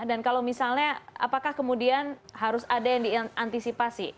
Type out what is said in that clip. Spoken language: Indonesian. dan kalau misalnya apakah kemudian harus ada yang diantisipasi